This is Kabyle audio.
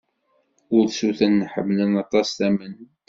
Ursuten ḥemmlen aṭas tamemt.